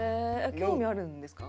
興味あるんですか？